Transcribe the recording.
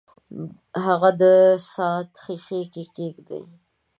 هغه د ساعتي ښيښې کې کیږدئ.